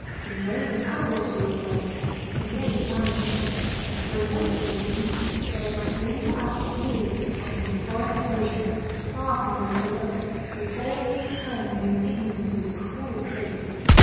Kinraid an hour or two ago, Kinraid a banished man; for in those days, an impressed sailor might linger out years on some foreign station, far from those he loved, who all this time remained ignorant of his cruel fate.